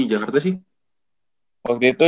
jakarta sih waktu itu